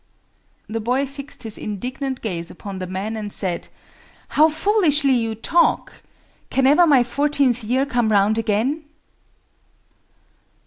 The boy fixed his indignant gaze upon the man and said—"How foolishly you talk! Can ever my fourteenth year come round again?"